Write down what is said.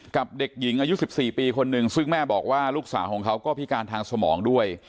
กับเด็กหญิงอายุ๑๔ปีคนหนึ่งซึ่งแม่บอกว่าลูกสาวของเขาก็พิการทางสมองด้วย